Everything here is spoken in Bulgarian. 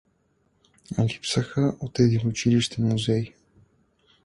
Липсаха от един училищен музей.